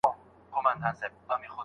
آیا صبر تر بې صبرۍ ښه پایله لري؟